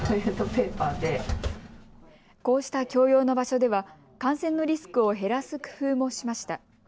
こうした共用の場所では感染のリスクを減らす工夫もしました。